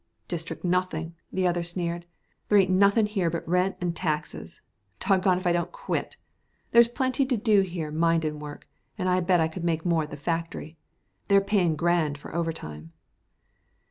"Distric' nothin'," the other sneered. "There ain't nothin' here but rent an' taxes doggone if I don't quit. There's plenty to do this here mindin' work, an' I bet I could make more at the factory. They're payin' grand for overtime."